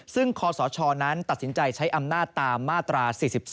ซึ่งคศนั้นตัดสินใจใช้อำนาจตามมาตรา๔๒